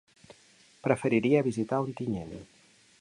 Preferiria visitar Ontinyent.